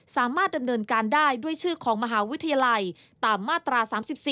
สามารถดำเนินการได้ด้วยชื่อของมหาวิทยาลัยตามมาตรา๓๔